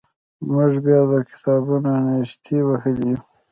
موږ بیا د کتابونو نیستۍ وهلي وو.